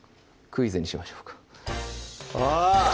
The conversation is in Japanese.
クイズにしましょうかあぁ！